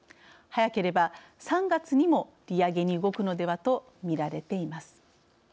早ければ３月にも利上げに動くのではとみられています。